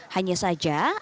hanya saja ada olahan tepung